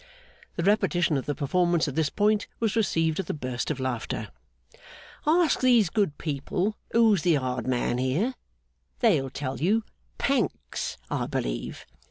(The repetition of the performance at this point was received with a burst of laughter.) 'Ask these good people who's the hard man here. They'll tell you Pancks, I believe.